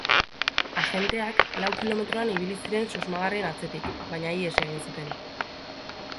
Agenteak lau kilometroan ibili ziren susmagarrien atzetik, baina ihes egin zuten.